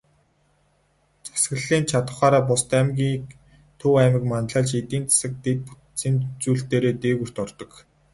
Засаглалын чадавхаараа бусад аймгийг Төв аймаг манлайлж, эдийн засаг, дэд бүтцийн үзүүлэлтээрээ дээгүүрт ордог.